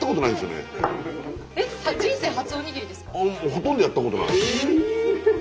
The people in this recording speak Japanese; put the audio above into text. ほとんどやったことない。